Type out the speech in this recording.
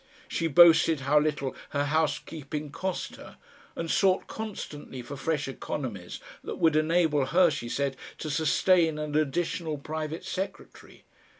She boasted how little her housekeeping cost her, and sought constantly for fresh economies that would enable her, she said, to sustain an additional private secretary.